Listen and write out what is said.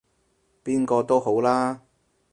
邊個都好啦